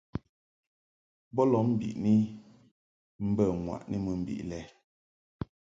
Bo lɔʼ mbiʼni mbə ŋwaʼni mɨ mbiʼ lɛ.